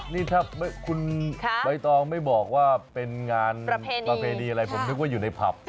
นี่ถ้าคุณใบตองไม่บอกว่าเป็นงานประเพณีอะไรผมนึกว่าอยู่ในผับ